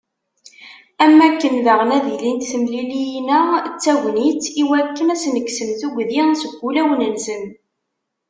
Am wakken daɣen, ad ilint temliliyin-a d tagnit i wakken ad sen-kksen tuggdi seg ulawen-nsen.